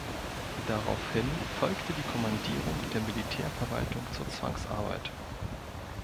Daraufhin folgte die Kommandierung der Militärverwaltung zur Zwangsarbeit.